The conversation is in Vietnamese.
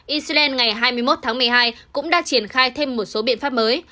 israel ngày hai mươi một tháng một mươi hai cũng đã triển khai thêm một số biện pháp mới